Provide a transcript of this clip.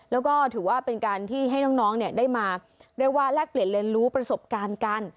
แล้วก็ถือว่าเป็นการที่ให้น้องได้มาเรียกว่าแลกเปลี่ยนเรียนรู้ประสบการณ์กัน